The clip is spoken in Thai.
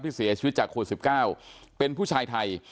ที่เสียชีวิตจากโควิดสิบเก้าเป็นผู้ชายไทย